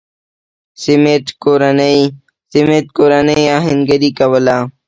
سمېت کورنۍ اهنګري کوله.